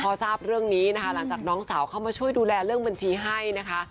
พอทราบเรื่องนี้นะคะหลังจากน้องสาวเข้ามาช่วยดูแลเรื่องบัญชีให้นะคะ